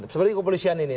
seperti kepolisian ini